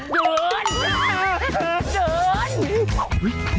ไปเดิน